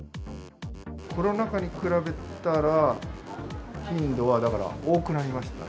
コロナ禍に比べたら、頻度はだから多くなりましたね。